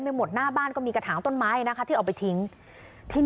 ไม่อยากให้แม่เป็นอะไรไปแล้วนอนร้องไห้แท่ทุกคืน